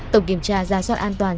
tổng kiểm tra gia soát an toàn